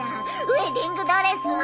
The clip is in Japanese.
ウエディングドレス？